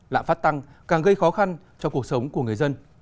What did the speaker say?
lạm phát tăng càng gây khó khăn cho cuộc sống của người dân